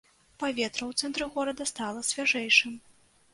Паветра ў цэнтры горада стала свяжэйшым.